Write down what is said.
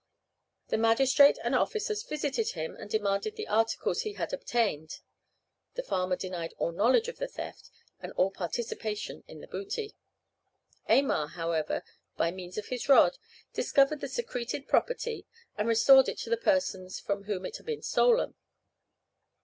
The magistrate and officers visited him and demanded the articles he had obtained. The farmer denied all knowledge of the theft and all participation in the booty. Aymar, however, by means of his rod, discovered the secreted property, and restored it to the persons from whom it had been stolen.